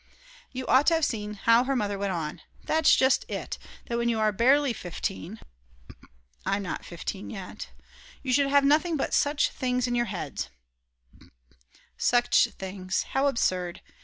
You ought to have seen how her mother went on. "That's just it, that when you are barely 15 (I'm not 15 yet) you should have nothing but such things in your heads!" Such things, how absurd.